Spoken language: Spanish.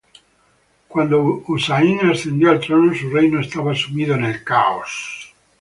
Cuando Husayn ascendió al trono, su reino estaba sumido en el caos.